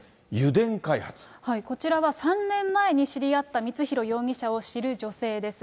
こちらは３年前に知り合った光弘容疑者を知る女性です。